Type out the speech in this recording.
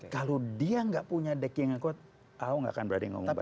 kalau dia nggak punya dek yang kuat ah nggak akan berani ngomong banyak